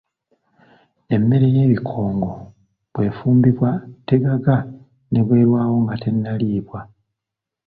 Emmere ye bikongo bwefumbibwa tegaga ne bwerwawo nga tennaliibwa.